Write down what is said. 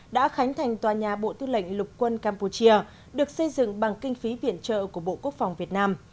đã khánh thành tòa nhà bộ tư lệnh lục quân campuchia được xây dựng bằng kinh phí viện trợ của bộ quốc phòng việt nam